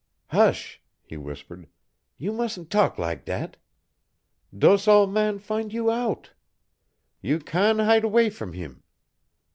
"Hush," he whispered. "You mustn't talk lak' dat. Dose ole man fin' you out. You can' hide away from heem.